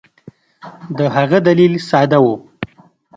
د هغه دلیل ساده وو.